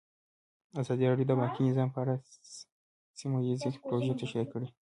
ازادي راډیو د بانکي نظام په اړه سیمه ییزې پروژې تشریح کړې.